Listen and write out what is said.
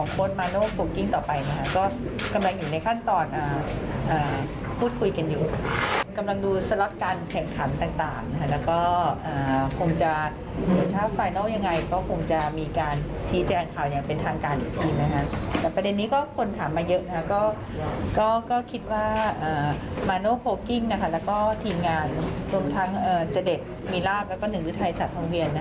ก็คิดว่ามาโน้โพงกิ้งและทีมงานรวมทั้งเจอเดชมีราบหนึ่งฤทัยสะท้องเวียน